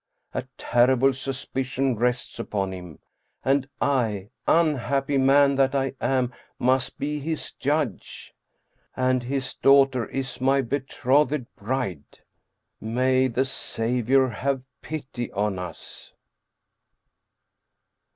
A terrible suspicion rests upon him And I, unhappy man that I am, must be his judge. And his daughter is my betrothed bride ! May the Saviour have pity on us